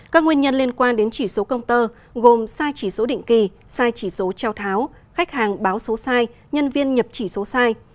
các nguyên nhân liên quan đến chỉ số công tơ gồm sai chỉ số định kỳ sai chỉ số trao tháo khách hàng báo số sai nhân viên nhập chỉ số sai